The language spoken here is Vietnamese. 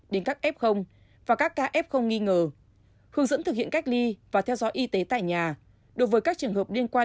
đến các f và các ca f nghi ngờ hướng dẫn thực hiện cách ly và theo dõi y tế tại nhà đối với các trường hợp liên quan